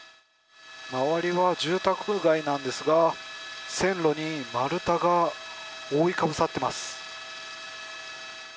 周りは住宅街なんですが、線路に丸太が覆いかぶさってます。